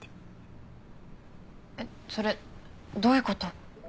えっそれどういう事？